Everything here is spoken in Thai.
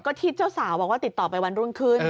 ก็ที่เจ้าสาวบอกว่าติดต่อไปวันรุ่งขึ้น